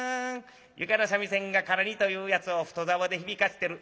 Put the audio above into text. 床の三味線がからりというやつを太棹で響かせてる。